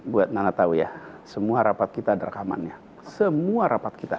buat anda tahu semua rapat kita ada rekaman nya semua rapat kita